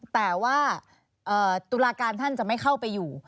แต่ว่าตุลาการท่านจะไม่เข้าไปอยู่